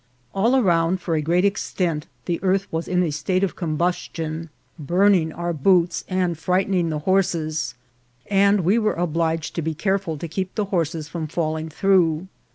All around, for a great extent, the earth was in a state of combustion, burning our boots and 68 INCIDENTS OF TRAVEL. frightening the horses, and we were obliged to be care ful to keep the horses from falling through.